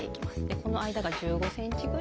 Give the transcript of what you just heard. この間が１５ｃｍぐらいですかね。